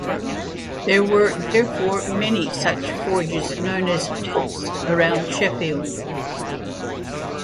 There were therefore many such forges known as 'tilts' around Sheffield.